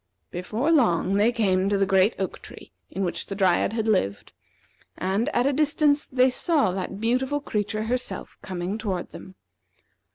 Before long they came to the great oak tree in which the Dryad had lived, and, at a distance, they saw that beautiful creature herself coming toward them.